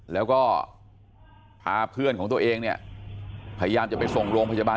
แล้วก็พาเพื่อนของตัวเองเนี่ยพยายามจะไปส่งโรงพยาบาล